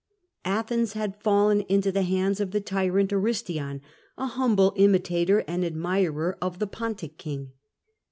Athens had fallen into the hands of the tyrant Aristion, a humble imitator and admirer of the Pontic king.